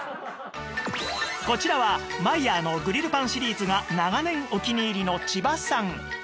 こちらはマイヤーのグリルパンシリーズが長年お気に入りの千葉さん